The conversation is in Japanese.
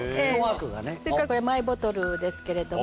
それからこれマイボトルですけれども。